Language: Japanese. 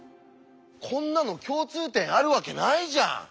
こんなの共通点あるわけないじゃん！